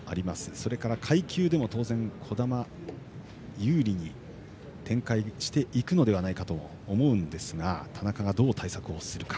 それから階級でも当然、児玉有利に展開していくのではないかと思うんですが田中が、どう対策をするか。